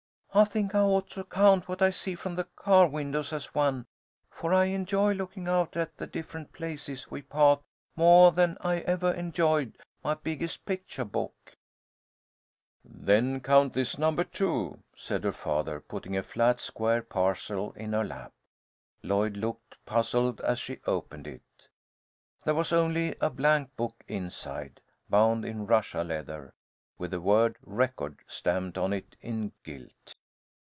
"I think I ought to count what I see from the car windows as one, for I enjoy looking out at the different places we pass moah than I evah enjoyed my biggest pictuah books." "Then count this number two," said her father, putting a flat, square parcel in her lap. Lloyd looked puzzled as she opened it. There was only a blank book inside, bound in Russia leather, with the word "Record" stamped on it in gilt.